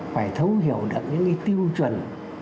phải thấu hiểu được những cái tiêu chuẩn